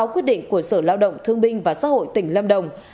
sáu quyết định của sở lao động